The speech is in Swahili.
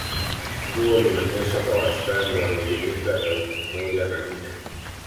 Mvua zinanyesha kwa wastani wa milimita elfu moja na nne